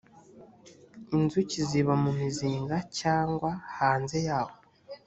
inzuki ziba mu muzinga cyangwa hanze yawo